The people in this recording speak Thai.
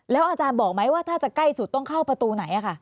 อาจารย์บอกไหมว่าถ้าจะใกล้สุดต้องเข้าประตูไหน